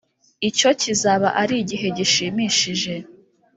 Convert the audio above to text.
Icyo kizaba ari igihe gishimishije